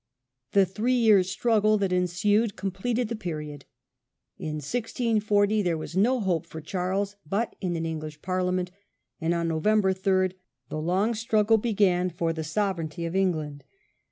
The three years' struggle that ensued completed the period. In 1640 there was no hope for Charles but in an English Parliament, and on Nov. 3 the long struggle began for the sovereignty of England.